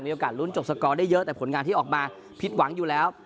โอกาสลุ้นจบสกอร์ได้เยอะแต่ผลงานที่ออกมาผิดหวังอยู่แล้ว